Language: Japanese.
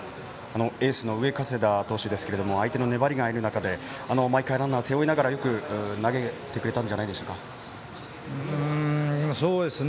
エースの上加世田投手ですが相手の粘りがある中で毎回ランナーを背負いながらよく投げてくれたんじゃないでしょうか。